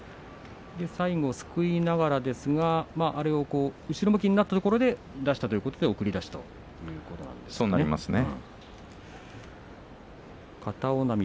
最後すくいながらですが後ろ向きになったところで出したということで決まり手送り出しということですね。